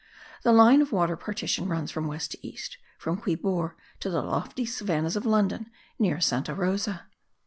The line of water partition runs from west to east, from Quibor to the lofty savannahs of London, near Santa Rosa.